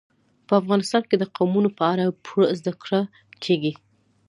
په افغانستان کې د قومونه په اړه پوره زده کړه کېږي.